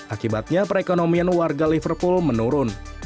akibatnya perekonomian warga liverpool menurun